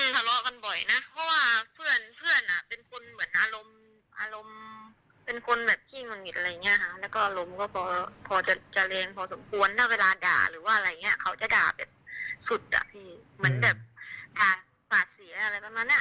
หลอกันบ่อยนะเพราะว่าเพื่อนเป็นคนเหมือนอารมณ์